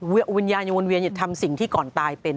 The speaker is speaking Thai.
วิญญาณยังวนเวียนอย่าทำสิ่งที่ก่อนตายเป็น